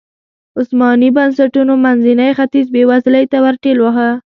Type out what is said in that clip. عثماني بنسټونو منځنی ختیځ بېوزلۍ ته ورټېل واهه.